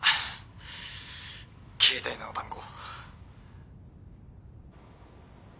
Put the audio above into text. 携帯の番号。